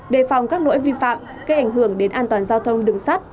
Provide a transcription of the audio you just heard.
đề phòng các nỗi vi phạm kê ảnh hưởng đến an toàn giao thông đường sắt